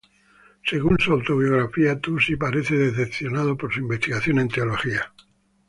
Según su autobiografía, Tusi parece decepcionado por su investigación en teología.